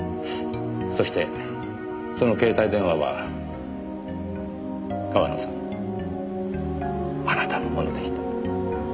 そしてその携帯電話は川野さんあなたのものでした。